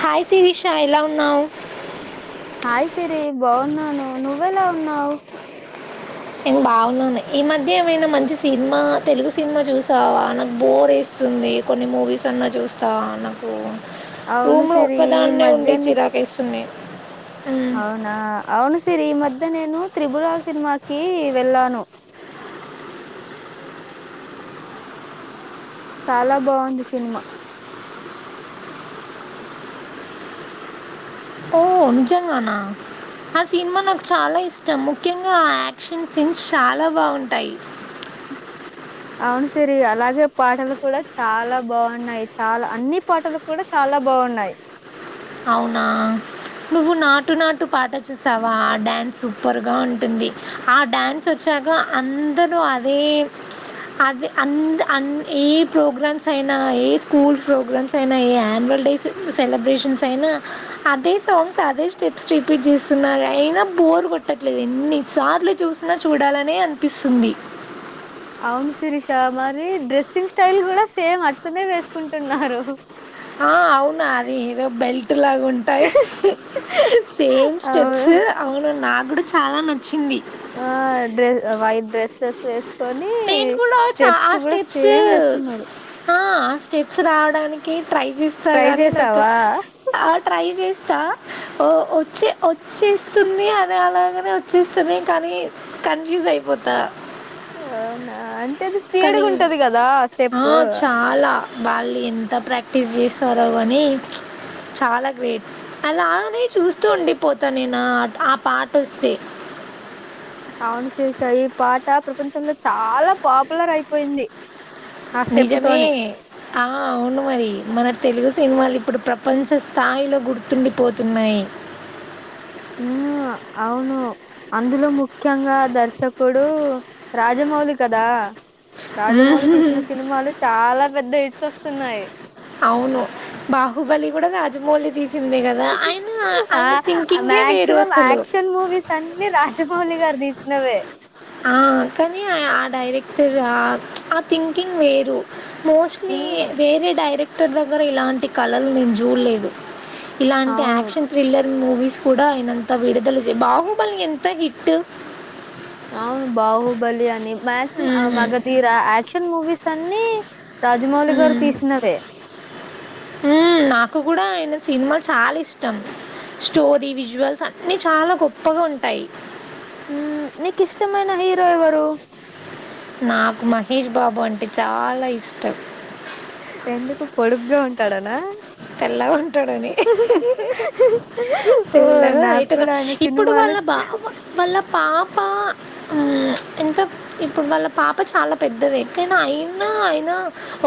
Hi సిరిషాయి ఎలా ఉన్నావ్ హయ్ సిరి బాగున్నాను నువ్వెలా ఉన్నావు్ నేను బాగున్నా ఉన్నా ఈ మధ్య ఏమైనా మంచి సినిమా తెలుగు సినిమా చూసావా నాకు బోర్ వేస్తుంది కొన్ని మూవీస్ అన్నా చూస్తావా నాకు అవును రూమ్ లో సిరి ఈ ఒక్కదానే ఉండి మధ్యనే చిరాకేస్తుంది మ్. అవునా అవును సిరి ఈ మధ అదే నేను త్రిబులర్ సినిమాకి వెళ్ళాను చాలా బాగుంది సినిమా ఓ నీజంగానా ఆ సినిమా నాకు చాలా ఇష్టం ముఖ్యంగా ఆ యాక్షన్ సీన్స్ చాలా బాగుంటాయి అవును సిరి అలాగే పాటలు కూడా చాలా బాగున్నాయి చాలా అన్ని పాటలు కూడా చాలా బాగున్నాయి అవునా నువ్వు నాటు నాటు పాట చూసావా డ్యాన్స్ సూపర్గా ఉంటుంది ఆ డ్యాన్స్ వచ్చాక అందరూ అదే అదే అన్ అన్ ఏ ప్రోగ్రామ్స్ అయినా ఏ స్కూల్ ప్రోగ్రామ్స్ అయినా ఏ యాన్యువల్ డే సెలబ్రేషన్స్ అయినా అదే సాంగ్స్ అదే స్టెప్స్ రిపీట్ చేస్తున్నారు అయినా బోర్ కొట్టట్లేదు ఎన్ని సార్లు చూసినా చూడాలనే అనిపిస్తుంది అవును శిరీష మరి డ్రెస్సింగ్ స్టైల్ కూడా సేమ్ అట్లనే వేసుకుంటున్నారు ఆ అవును అదిద బెల్ లాగాంటాయి సేమ్ అవును. స్టెప్స్ అవును నా ఇక్కడ చాలా నచ్చింది ఆ డ్రెస్ వయిట్ డ్రెస్స్ సేస్ నేను కూడావచ్చా ఆ స్టెప్స్ సేమ్ వేస్తున్నారు. స్టెప్స్ రావడానికి ట్రై చేస్తా ట్రై గాని నాకు చేశావా? ఆ ట్రై చేసి హ ఓ వచ్చే వచ్చేస్తుంది అని అలాగనే వచ్చేస్తునే కానీ కన్ఫ్యూజ్ అయిపోతా అవునా అంటే అది కానీ స్పీడ్గా ఉంటది కదా ఆ స్టెప్ చాలా వాళ్ళు ఎంత ప్రాక్టీస్ చేస్తారో కానీ, చాలా గ్రేట్ అలానే చూస్తూ ఉండిపోతా నేను ఆ పాట వస్తే అవును శేష ఈ పాట ప్రపంచంలో చాలా పాపులర్ అయిపోయింది. ఆ స్టెప్ నిజమే తోనే. ఆ అవును మరి మన తెలుగు సినిమాలు ఇప్పుడు ప్రపంచ స్థాయిలో గుర్తుండిపోతున్నాయి మ్ అవును అందులో ముఖ్యంగా దర్శకుడు రాజమౌళి కదా హ్మ్. రాజమౌళి తీసిన సినిమాలు చాలా పెద్ద ఎయిడ్స్ వస్తున్నాయి అవును బాహుబలి కూడా రాజమౌళి తీ ఆ థింకింగే వేరు మ్యాక్సిమం అసలు. యాక్షన్ మూవీస్ అన్ని రాజమౌళి గారు దీస్ నవే ఆ కానీ ఆ డైరెక్టరా ప్చ్ ఆ థింకింగ్ వేరు మోస్ట్లీ హ్మ్. వేరే డైరెక్ టర్ దగ్గర ఇలాంటి కళలు నేను జూల్లేదు ఇలాంటి అవును. యాక్షన్ థ్రిల్లర్ మూవీస్ కూడా ఆయనంత విడుదల చే బాహుబలి ఎంత హిట్ అవును బాహుబలి అని మాక్సిమం ఆ హ్మ్. మగధీర యా క్షన్ మూవీస్ అన్నీ రాజమౌళి గారు తీసినవే మ్మ్ నాకు కూడా ఆయన సినిమాలు చాలా ఇష్టం స్టోరీ విజువల్స్ అన్నీ చాలా గొప్పగావుంటాయ్. హ్మ్ నీకు ఇష్టమైన హీరో ఎవరు నాకు మహేష్ బాబు అంటే చాలా ఇష్టం ఎందుకు పొడుగ్గా ఉంటాడనా తెల్లగా ఉంటాడని ఓహ్! తెల్లగా నాకు ఐటుగా కూడా ఆయన ఇప్పుడు సినిమాలు వాళ్ళ బావ వాళ్ళ, పాప మ్మ్ ప్చ్ ఎంత ఇప్పుడు వాళ్ళ పాప చాలా పెద్దది. కానీ అయినా అయినా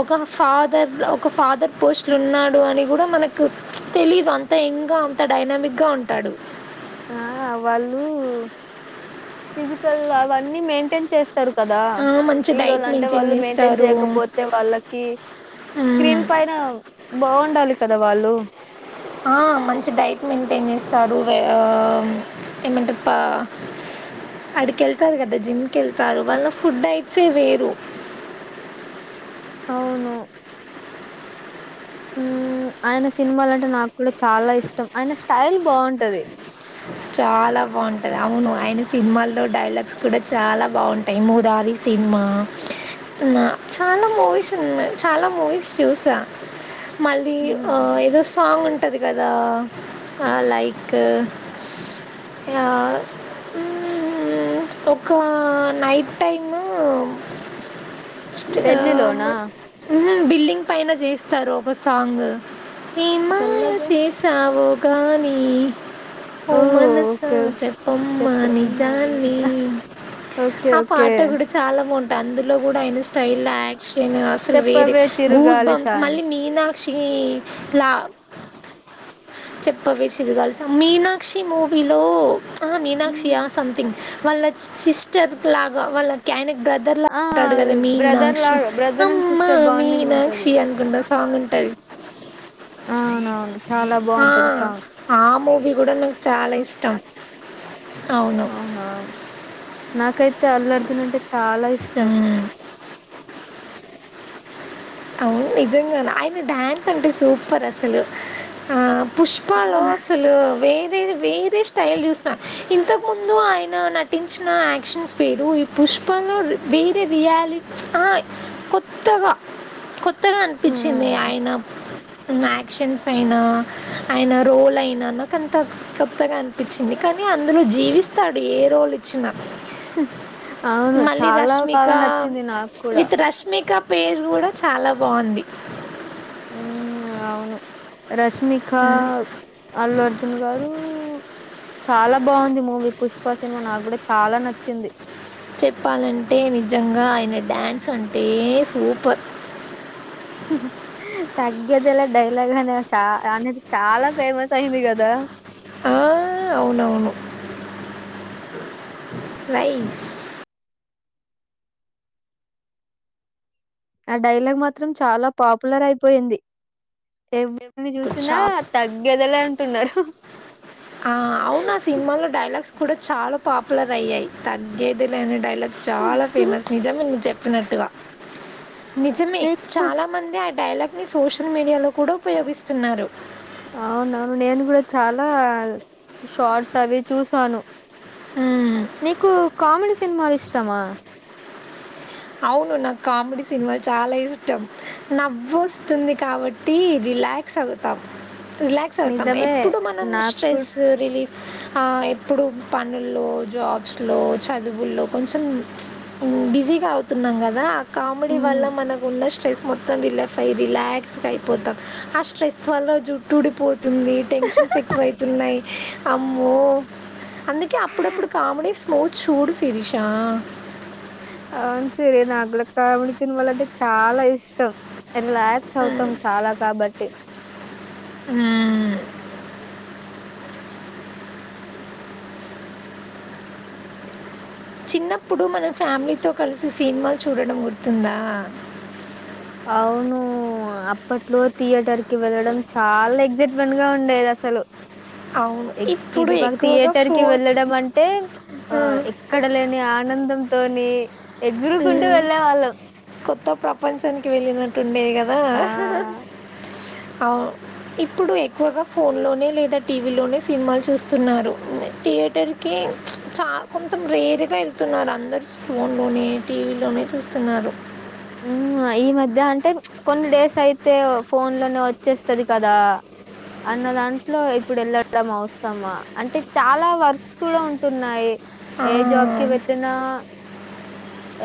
ఒక ఫాదర్ ఒక ఫాదర్ పోస్ట్లు ఉన్నా, అని కూడా మనకు ప్చ్ తెలీదు అంత యంగ్ గా అంత డైనమిక్ గా ఉంటాడు ఆ వాళ్ళు ఫిజికల్ అవన్నీ మెయింటైన్ చేస్తారు కదా ఆ! మంచి డైట్ హీరోలు అంటే వాళ్ళు మెయింటైన్ చేస్తారు. చేయకపోతే, వాళ్ళకి హ్మ్. స్క్రీన్ పైన బాగుండాలి కదా ద వాళ్ళు అ మంచి డైట్ మెయింటైన్ చేస్తారు, ఏమంటే పా అడికి వెళ్తారు కదా జిమ్కి వెళ్తారు వాళ్ళ ఫుడ్ డైట్సే వేరు అవును మ్ ఆయన సినిమాాల అంటే నాకు కూడా చాలా ఇష్టం, ఆయన స్టైల్ బాగుంటది. చాలా బాగుంటుంది, అవును ఆయన సినిమాల్లో డైలాగ్స్ కూడా చాలా బాగుంటాయి మురారి సినిమా, మ్ చాలా మూవీస్ ఉన్నాయి చాలా మూవీస్ చూసా మళ్ళీ ఒ హ్మ్. ఏదో సాంగ్ ఉం పంటంది కదా అ లైక్ అ మ్ ఒక నైట్ టైమ్ స్ట్ మ్ పెళ్ళిలోనా? హు ఫిల్లింగ్ పైన చేస్తారు ఒక సాంగ్ ఏ మాయ చల్లగా చేసావు కానీ ఓ ఓహ్! మనస ఓకే. చెప్పమ్మా చెప్పమాలి నిజాన్ని ఓకే. ఆ ఓకే. పాట కూడా చాలా బాగుంటుంది అందులో కూడా ఆయిన స్టైల్ యాక్ట్ అసలు వేరే చెప్పవే గూస్ చిరుగాలి బాంస్ సాంగ్. మళ్ళీ మీనా పక్షి లా చెప్పవే చిరగాలుస మీనా పక్షి మూవీలో ఆ మీనాక్షి హ్మ్. సంథింగ్ వాళ్ళ సిస్టర్ లాగా వాళ్ళకి ఆన బ్రదర్ లా ఆ! అంటాడు కదా బ్రదర్ మీనాక్షి లాగా బ్రదర్ అండ్ అమ్మా సిస్టర్ బాండింగ్ ఉంటది. మీనాక్షి అనుకుంటా సాంగ్ ఉంటారు అవునవును. చాలా ఆ బావుంటది సాంగ్. ఆమ వి కూడాడను చాలా ఇష్టం అవును అవునా నాకైతే అల్లర్జునంటే చాలా ఇష్టం మ్మ్. అవును నిజంగా ఆయన డ్యాన్స్ అంటే సూపర్ అసలు ఆ ఆ! పుష్పలో అసలు వే వరే వేరే స్టల్ చూసిన ఇంతకుముందు ఆయన నటించిన యాక్షన్స్ పేరు ఈ పుష్పంలో వేరే రియాలిటీస్ కొత్తగా కొత్తగా అనిపించింది హ్మ్. ఆయన యాక్షన్స్ అయినా ఆయన రోల్ అయినా కాంత కొత్తగా అనిపించింది కానీ అందులో జీవిస్తాడు ఏ రోల్ ఇచ్చినా అవును మళ్ళీ చాలా రష్మిక బాగా నచ్చింది నాకు కూడా వేరు కూడా కూడా చాలా బాగుంది ఉ అవును రష్మిక హ్మ్. అల్లు అర్జున్ గారు చాలా బాగుంది మూవీ పుష్ప సినిమా నాకు కూడా చాలా నచ్చింది చెప్పాలంటే నిజంగా ఆయన డ్యాన్స్ అంటే సూపర్ తగ్గదల డైలాగ్ అనే చ అనేది చాలా ఫేమస్ అయింది కదా ఆ అవునవును రైస్ ఆ డైలాగ్ మాత్రం చాలా పాపులర్ అయిపోయింది అ చూసినా చా తగ్గదలే అంటున్నారు ఆ అవునా సినిమాలో డైలాగ డలాగ్స్ కూడా చాలా పాపులర్ అయ్యాయి తగ్గేది లేని డైలాగ్ చాలా ఫేమస్ నిజం ను్ చెప్పినట్టుగా నిజమే నీకు చాలా మంది ఆ డైలాగ్ సోషల్ మీడియాలో కూడా ఉపయోగిస్తున్నారు అవునవును నేను కూడా చాలా షార్ట్స్ అవి చూసాను మ్మ్. నీకు కామెడి సినిమాలు ఇష్టమా అవును నాకు కామెడీ సినిమాలు చాలా ఇష్టం నవ్వు వోస్తుంది కాబట్టి టీ రిలాక్స్ అవుతం రిలాక్స్ అవుతాం నిజమే ఎప్పుడు మనం నాకు కూడా స్ట్రెస్ రిలీఫ్ ఆ ఎప్పుడు పనుల్లో జాబ్స్ లో చదువుల్లో కొంచం బిజీగా అవు తున్నాం గాదా కామెడీ వల్ల హ్మ్. మనకు ఉన్న స్ట్రెస్ మొత్తం రీలఫ్ అయ్యి రిలాక్స్గా అయిపోతాం. ఆ స్ట్రెస్ వల్ల జుట్టుడిపోతుంది. టెన్షన్స్ ఎక్కువ అయితున్నాయి. అమ్మో అందుకే అప్పుడప్పుడు కామెడీస్ మూవీ చూడు శిరీషా అవును సరే నా గుడ కామిడి సినీమలు అంటే చాలా ఇష్టం. రిలాక్స్ హ్మ్. అవుతాం చాలా కాబట్టి హ్ చిన్నప్పుడు మన ఫ్యామిలీతో కలిసి సినిమాలు చూడడం గుర్తుందా అవును అప్పట్లో థియేటర్ కి వెళ్ళడం చాలా ఎగ్జైట్ మెంట్ గా ఉండేది అస్సలు అవును. ఇప్పుడు ఇది మాకు ఎక్కువగా థియేటర్ కి ఫోన్ వెళ్ళడం అంటే ఆ హ్మ్. ఎక్కడ లేని ఆనందంతో మే ఎగురుకుంటూ హ్మ్. వెళ్ళేవాళ్ళం కొత్త ప్రపంచానికి వెళ్ళినట్టు ఉండే గాదా ఆ! అవును ఇప్పుడు ఎక్కువగా ఫోన్లోనే లేదా టీవీలోనే సినిమాలు చూస్తున్నారు. థియేటర్కి చా కొంతం రేరుగా ఏళ్తున్నారు. అందరు ఫోన్లోనే టీవీలోనే చూస్తున్నారు హ్మ్. ఈ మధ్య అంటే కొన్ని డేస్ అయితే ఫోన్ లోనే వచ్చేస్తది. కదా అన్న దాంట్లో ఇప్పుడు వెళ్ళడం అవసరమా అంటే చాలా వర్క్స్ గుడా ఉంటున్నాయి. ఆ! ఏ జాబ్కి వెళ్లిన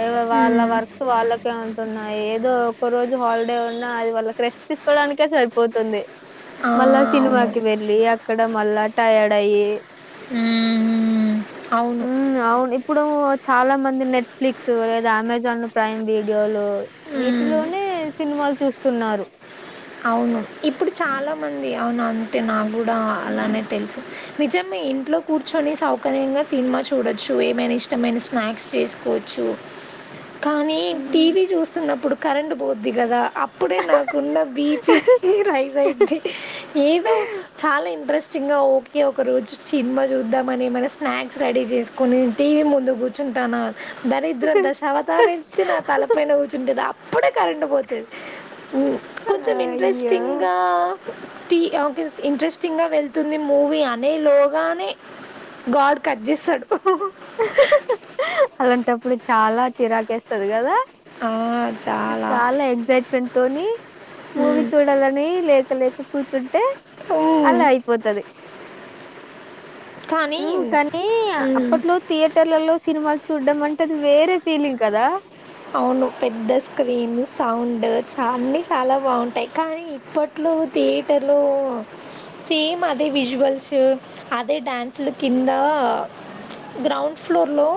ఏవో వాళ్ళ హ్మ్. వర్క్స్ వాళ్ళకే ఉంటున్నాయి. ఏదో ఒక్క రోజు హాలిడే ఉన్నా అది వాళ్లకి రెస్ట్ తీసుకోవడానికే సరిపోతుంది. ఆ! మళ్ళా అవును. సినిమాకి వెళ్ళి అక్కడ మళ్ళా టయర్డ్ అయ్యి హ్మ్. హ్మ్. అవును. ఉ అవును ఇప్పుడు చాలా మంది నెట్ ఫ్లిక్స్ లేదా అమెజాన్ ప్రైమ్ వీడియోలు హ్మ్. వీటిలోనే సినిమాలు చూస్తున్నారు. అవును. ఇప్పుడు చాలామంది అవును అంతే నాకు కూడా అలానే తెలుసు. నిజమే ఇంట్లో కూర్చొని సౌకర్యంగా సినిమా చూడొచ్చు ఏమైనా ఇష్టమైన స్నాక్స్ చేసుకోవచ్చు. కానీ టీవీ జు స్తున్నప్పుడు కరెంట్ పోతుం దిగదా అప్పుడే నాకున్న బీపీ రైజ అయింది ఏదో చాలా ఇంట్రెస్ట్ చిన్న ఓకే ఒక రోజు సినిమా చూద్దామని ఏమైనా స్నాక్స్ రెడీ చేసుకొని టీవీ ముందు కూర్చుంటానా దరిద్ర దశావతానేత్టి నా హ్మ్. తలపైన కూర్చుంటేది, అప్పుడే కరెంట్ పోతు తె ఉ కొంచెం అయ్యో ఇంట్రెస్టింగ్గా టీ ఒకే ఇంట్రెస్టింగ్గా వెళ్తుంది మూవీ అనే లోగానే గాడ్ కట్ చేస్తాడు అలాంటప్పుడు చాలా చిరాకు వేస్తది కదా ఆ, చాలా ఎక్సైట్మెంట్ తోనీ మూవీ మ్మ్. చూడాలని లే లేక కూర్చు టే మ్మ్. అలా అయిపోతది కానీ మ్ కానీ హ్మ్. అప్పట్లో థియేటర్లలో సినిమాలు చూడ్డ అంటేది వేరే ఫీలింగ్ కదా అవును పెద్ద స్క్రీన్ సౌండ్ చన్నీ చాలా బాగుంటాయి, కానీ ఇప్పట్లో థియేటర్లో సేమ్ అదే విజువల్స్ అదే డ్యాన్స్ల కింద, గ్రౌండ్ ఫ్లోర్లో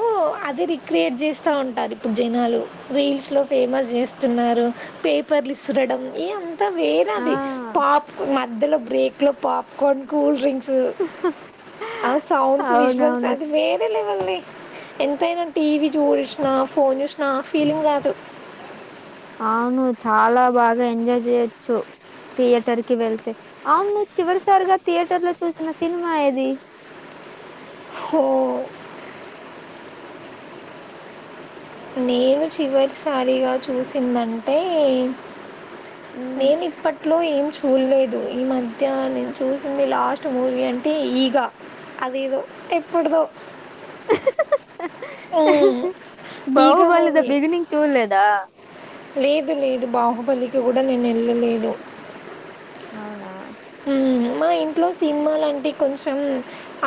అదే రిక్రియేట్ చేస్తూ ఉంటారు ఇప్పుడు జనాలు రీల్స్ లో ఫేమస్ చేస్తున్నారు పేపర్లు ఇసురడం ఎ అంత వేర ఆ! అది పాప్ మధ్యలో బ్రేక్ లో పాప్కోర్న్ కూల్ డ్రింక్స్ డ్స్ ఆ సౌండ్స్ విజువల్స్ అవునవును. అది వేర లెవెల్ మే ఎంతయినా టీవీ చూసినా ఫోన్ చూసినా ఫీలింగ్ రాదు అవును చాలా బాగా ఎంజాయ్ చేయొచ్చు, థియేటర్ కి వెళ్తే, అవును చివరిసారిగా థియేటర్ లో చూసిన సినిమా ఏది ఒ నేను చివరిసారిగా చూసిందంటే నేను ఇప్పట్లో ఏం చూడలేదు ఈ మధ్య నేను చూసింది లాస్ట్ మూవీ అంటే ఈగ అదేదో ఎప్పుటిదో ఈగ బాహుబలిది మూవీ బిగినింగ్ చూడలేదా లేదు లేదు బాహుబలికి కూడా నేను వెళ్ళలేదు అవునా మ్ ఇంట్లో సినిమాాలంటే కొంచెం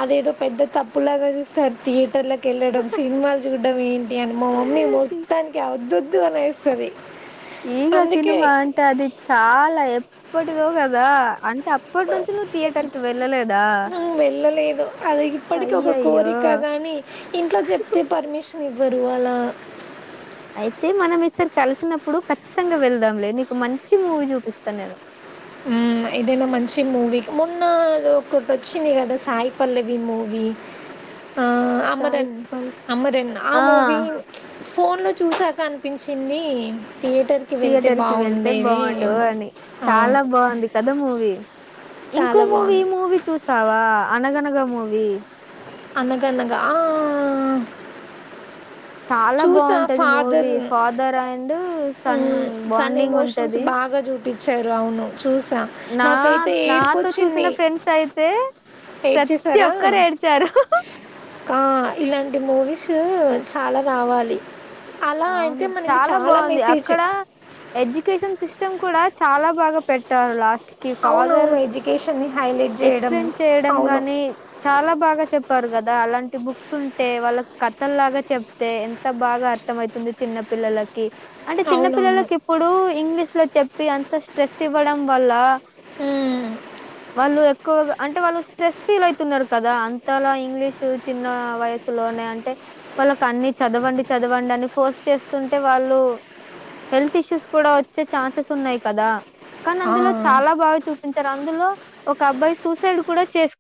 అదేదో పెద్ద తప్పులాగా చూస్తారు థియేటర్ల వేళ్లడం సినిమాలు చూ దా వేణు ఈయాల మా మమ్మీ మొత్తానికి అద్ [unintelligible] ఎస్తది ఈగ సినిమా అంటే అది చాలా ఎ ప్పటిదో గాదా అంట అప్పటి నుంచి నువ్వు థియేటర్ కి వెళ్ళలేదా హ్మ్. వెళ్ళలేదు. అది ఇప్పటికి ఒక అయ్యయ్యో కోరిక గాని ఇంట్లో చెప్తే పర్మిషన్ ఎవరు వల్ల అయితే మనం ఈసారి కలిసినప్పుడు ఖచ్చితంగా వెళ్దాంలే నీకు మంచి మూవీ చూపిస్తాను నేను ఉమ్ ఏదైనా మంచి మూవీ మొన్న ఒకటి వచ్చింది కదా సాయి పల్లవి మూవీ ఆ సాయి అమరన్ పల్ అమరన్ ఆ మూవీ ఫోన్ లో చూసాక అనిపించింది థియేటర్కి వెళ్తే థియేటర్ కి బాగుండేది అవు బాగుందా కదా మూవీ ఇంకో మూవీ ఈ బావుంది. మూవీ చూసావా ఆ అనగనగా మూవి అనగనగా ఆ చాలా చూసా బాగుంటది movie father father and son bonding ఉంటది పించారు అవును చూసి నా నాకైతే నాతో చూసిన ఏడుపొచ్చింది ఫ్రెండ్స్ అయితే ప్రతి ఒక్కరు ఏడ్చారు. ఆ ఇలాంటి మూవీస్ చాలా కావాలి అవును చాలా బాగుంది అక్కడ ఎడ్యుకేషన్ సిస్ కూడా చాలా బాగా పెట్టారు లాస్ట్ అవునువును ఎడ్యుకేషన్ ఎక్స్ప్లెయిన్ చేయడం గాని చాలా బాగా చెప్ చెప్పారు కదా అలాంటి బుక్స్ ఉంటే వాళ్ళకి కథల్ లాగా చెప్తే ఎంత బాగా అర్థం అవుతుంది చిన్న పిల్లలకి అంటే చిన్న అవునవును పిల్లలలకు ఇప్పుడు ఇంగ్లీష్ లో చెప్పి అంత స్ట్రెస్ ఇవ్వడం వల్ల మ్మ్. ఎక్కువగా అంటే వాళ్ళు స్ట్రెస్ ఫీల్ అవుతున్నారు కదా అంతలా ఇంగ్లీషు చిన్న వయసులోనే అంటే వాళ్ళకు అన్ని చదవండి చదవండి అని ఫోర్స్ చేస్తుంటే వాళ్ళు హెల్త్ ఇష్యూస్ కూడా వచ్చే ఛాన్సెస్ ఉన్నాయి కదా కానీ అందులో ఆ చాలా బాగా చూపించారు అందులో అబ్బాయి సూసైడ్ కూడా చేసు